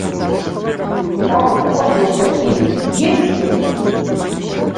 Так хочацца іх з'есці.